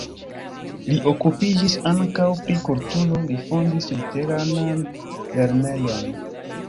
Li okupiĝis ankaŭ pri kulturo, li fondis luteranan lernejon.